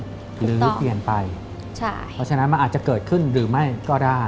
หรือเปลี่ยนไปเพราะฉะนั้นมันอาจจะเกิดขึ้นหรือไม่ก็ได้